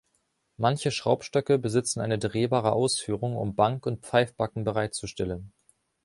Manche Schraubstöcke besitzen eine drehbare Ausführung, um Bank- und Pfeifbacken bereitzustellen.